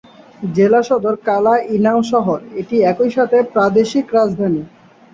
জেলা সদর কালা ই নাউ শহর, এটা একই সাথে প্রাদেশিক রাজধানী।